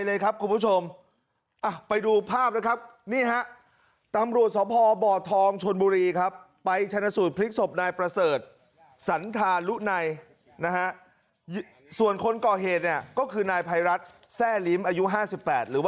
เลยครับคุณผู้ชมอ่ะไปดูภาพนะครับนี่ฮะตำรวจสพบบอ